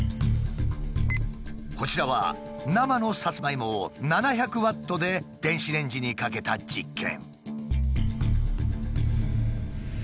こちらは生のサツマイモを７００ワットで電子レンジにかけた実験。